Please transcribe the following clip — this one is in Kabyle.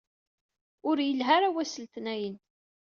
Ur yelhi ara wass n letnayen.